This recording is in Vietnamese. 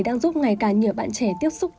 đang giúp ngày càng nhiều bạn trẻ tiếp xúc